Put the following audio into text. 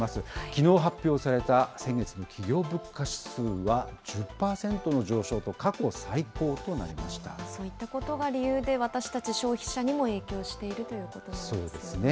きのう発表された先月の企業物価指数は、１０％の上昇と、過去最そういったことが理由で、私たち消費者にも影響しているということなんですよね。